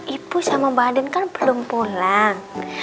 ibu sama badan kan belum pulang